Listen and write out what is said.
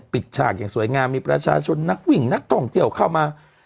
ฉากอย่างสวยงามมีประชาชนนักวิ่งนักท่องเที่ยวเข้ามา